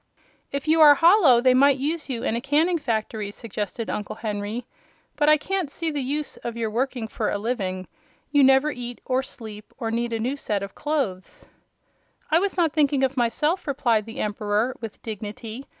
"If you are hollow, they might use you in a canning factory," suggested Uncle Henry. "But I can't see the use of your working for a living. You never eat or sleep or need a new suit of clothes." "I was not thinking of myself," replied the Emperor, with dignity.